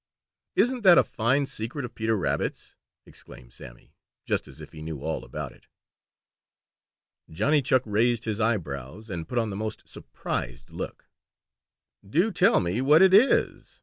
"Isn't that a fine secret of Peter Rabbit's?" exclaimed Sammy, just as if he knew all about it. Johnny Chuck raised his eyebrows and put on the most surprised look. "Do tell me what it is!"